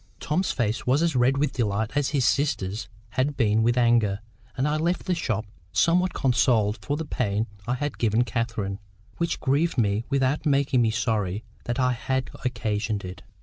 Tom's face was as red with delight as his sister's had been with anger. And I left the shop somewhat consoled for the pain I had given Catherine, which grieved me without making me sorry that I had occasioned it.